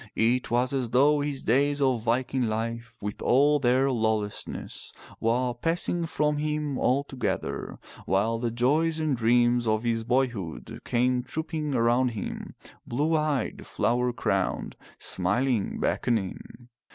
It was as though his days of Viking life with all their lawlessness were passing from him altogether, while the joys and dreams of his boyhood came trooping around him, blue eyed, flower crowned, smiling, beckoning.